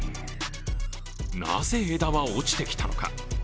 なぜ枝は落ちてきたのか。